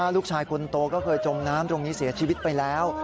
ลูกชายคนโตก็เคยจมน้ำตรงนี้เสียชีวิตไปแล้ว